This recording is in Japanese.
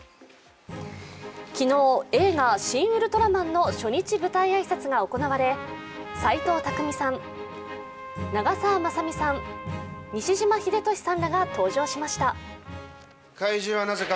昨日、映画「シン・ウルトラマン」の初日舞台挨拶が行われ斎藤工さん、長澤まさみさん、西島秀俊さんらが登場しました。